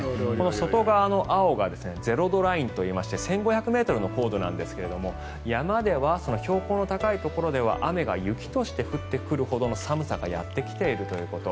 外側の青が０度ラインといいまして１５００ｍの高度なんですが山では標高の高いところでは雨が雪として降ってくるほどの寒さがやってきているということ。